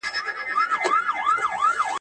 ټولنه مثبت بدلون ته اړتيا لري.